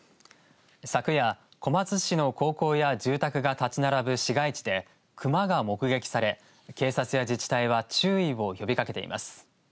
昨夜、小松市の高校や住宅が建ち並ぶ市街地で熊が目撃され、警察や自治体は注意を呼びかけています。